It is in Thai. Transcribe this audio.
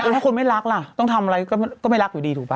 ถ้าคนไม่รักล่ะต้องทำอะไรก็ไม่รักอยู่ดีถูกป่